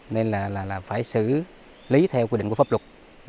nên là phải xử lý theo quy định của pháp luật